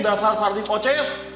dasar sardi koces